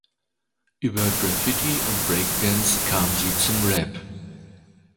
Über Graffiti und Breakdance kam sie zum Rap.